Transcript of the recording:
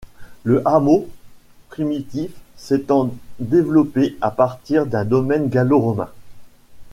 Le hameau primitif s’étant développé à partir d'un domaine gallo-romain.